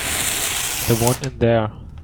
The one in there.